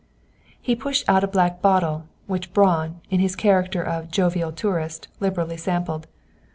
He pushed out a black bottle, which Braun, in his character of "jovial tourist," liberally sampled.